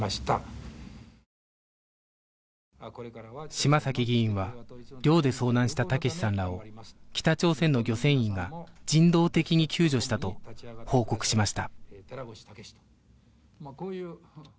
嶋崎議員は漁で遭難した武志さんらを北朝鮮の漁船員が人道的に救助したと報告しました